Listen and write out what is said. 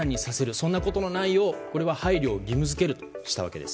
そんなことのないようこれは、配慮を義務付けるとしたわけです。